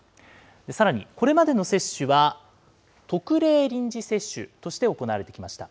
さらに、これまでの接種は特例臨時接種として行われてきました。